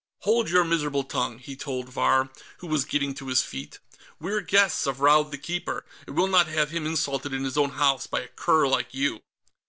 "Hold your miserable tongue!" he told Vahr, who was getting to his feet. "We're guests of Raud the Keeper, and we'll not have him insulted in his own house by a cur like you!"